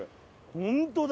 本当だ！